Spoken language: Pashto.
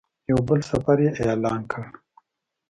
یو بل سفر یې اعلان کړ.